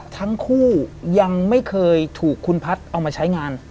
ทั้งคู่ยังไม่เคยถูกคุณพัฒน์เอามาใช้งาน